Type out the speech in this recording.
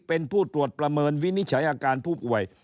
เป็นผู้ตรวจประเมินวินิจฉัยอาการผู้ป่วย